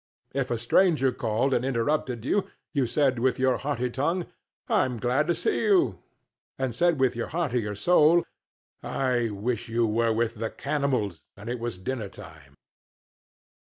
If a stranger called and interrupted you, you said with your hearty tongue, "I'm glad to see you," and said with your heartier soul, "I wish you were with the cannibals and it was dinner time."